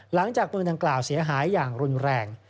หลังจากปืนดังกล่าวเสียหายอย่างรุนแรง